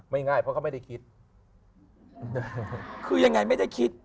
ไม่ง่ายเพราะเขาไม่ได้คิด